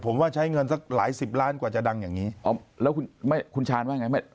ผมว่าใช้เงินสักหลายสิบล้านกว่าจะดังอย่างนี้อ๋อแล้วคุณไม่คุณชาญว่าไง